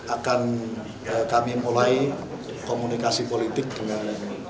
akan kami mulai komunikasi politik dengan